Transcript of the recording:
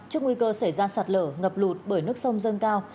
trước nguy cơ xảy ra sạt lở ngập lụt bởi nước sông dâng cao